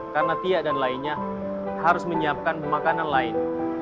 karena tia dan lainnya harus menyiapkan makanan lain